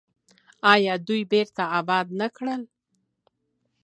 آیا دوی بیرته اباد نه کړل؟